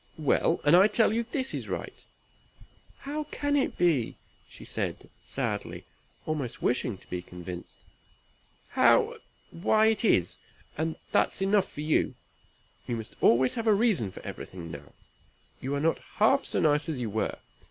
"Well! and I tell you this is right." "How can it be?" said she, sadly, almost wishing to be convinced. "How why it is, and that's enough for you. You must always have a reason for everything now. You are not half so nice as you were.